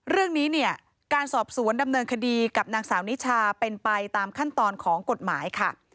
เรื่องนี้เนี่ยการสอบสวนดำเนินคดีกับนางสาวนิชาเป็นไปตามขั้นตอนของกฎหมายค่ะ